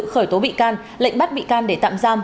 khởi tố bị can lệnh bắt bị can để tạm giam